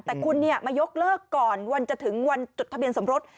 แต่คุณมายกเลิกก่อนวันจะถึงวันจดทะเบียนสมรส